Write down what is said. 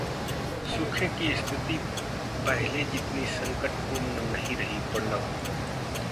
सूखे की स्थिति पहले जितनी संकटपूर्ण नहीं रही: प्रणब